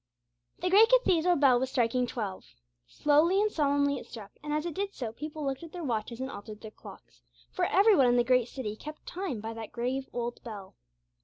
The great cathedral bell was striking twelve. Slowly and solemnly it struck, and as it did so people looked at their watches and altered their clocks, for every one in the great city kept time by that grave old bell.